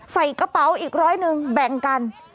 ใส่กระเป๋าอีกร้อยหนึ่งแบ่งกัน